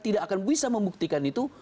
tidak akan bisa membuktikan itu